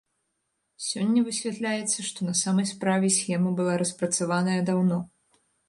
Сёння высвятляецца, што на самай справе схема была распрацаваная даўно.